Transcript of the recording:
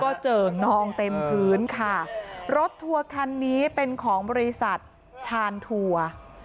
เจิ่งนองเต็มพื้นค่ะรถทัวร์คันนี้เป็นของบริษัทชานทัวร์